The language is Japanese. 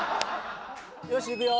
よし行くよ。